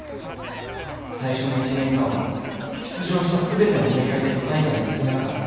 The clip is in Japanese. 最初の一年間は出場したすべての大会で都大会に進めなかった。